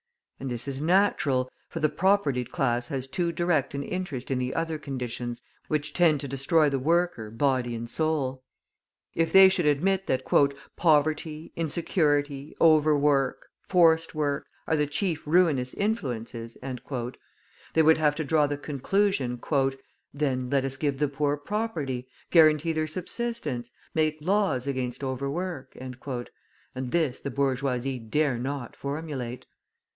And this is natural, for the propertied class has too direct an interest in the other conditions which tend to destroy the worker body and soul. If they should admit that "poverty, insecurity, overwork, forced work, are the chief ruinous influences," they would have to draw the conclusion, "then let us give the poor property, guarantee their subsistence, make laws against overwork," and this the bourgeoisie dare not formulate.